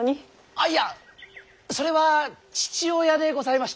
あっいやそれは父親でございまして